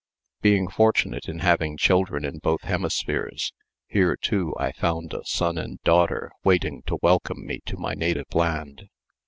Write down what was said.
Being fortunate in having children in both hemispheres, here, too, I found a son and daughter waiting to welcome me to my native land.